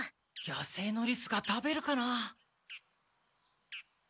野生のリスが食べるかな？